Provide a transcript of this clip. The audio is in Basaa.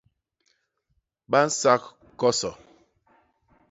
Ba nsak koso.